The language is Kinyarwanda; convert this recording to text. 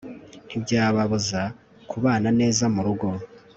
ntibyababuza kubana neza murugo